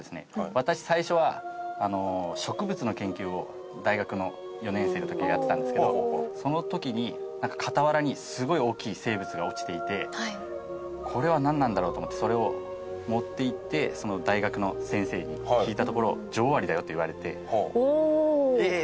私最初は植物の研究を大学の４年生の時にやってたんですけどその時に傍らにすごい大きい生物が落ちていてこれはなんなんだろう？と思ってそれを持っていって大学の先生に聞いたところ「女王アリだよ」って言われてええー！